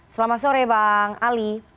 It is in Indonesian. selamat sore bang ali